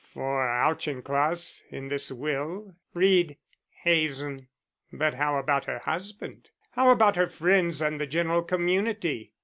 For Auchincloss, in this will, read Hazen; but how about her husband? How about her friends and the general community?